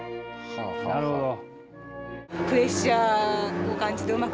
なるほど。